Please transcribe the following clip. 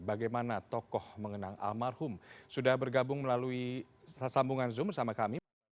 bagaimana tokoh mengenang almarhum sudah bergabung melalui sambungan zoom bersama kami